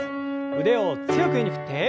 腕を強く上に振って。